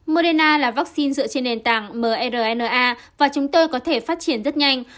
moderna là vaccine dựa trên nền tảng mrna và chúng tôi có thể phát triển rất nhanh